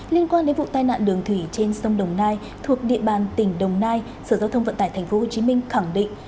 liên quan đến vụ tai nạn đường thủy trên sông đồng nai thuộc địa bàn tỉnh đồng nai sở giao thông vận tải tp hcm khẳng định